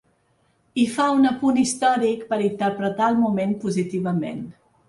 I fa un apunt històric per a interpretar el moment positivament.